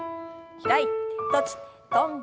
開いて閉じて跳んで。